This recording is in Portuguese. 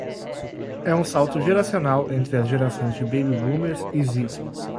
É um salto geracional, entre as gerações de Baby Boomers e Z